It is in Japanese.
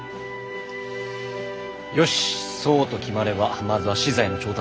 よしそうと決まればまずは資材の調達を。